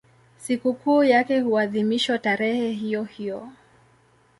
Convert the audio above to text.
Sikukuu yake huadhimishwa tarehe hiyohiyo.